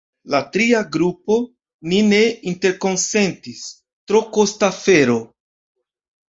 La tria grupo: “Ni ne interkonsentis – tro kosta afero!